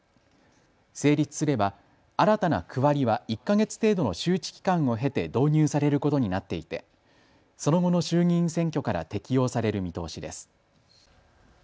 成立すれば新たな区割りは１か月程度の周知期間を経て導入されることになっていてその後の衆議院選挙から適用される見通しです。